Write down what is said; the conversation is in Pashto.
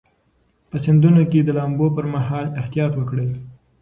په سیندونو کې د لامبو پر مهال احتیاط وکړئ.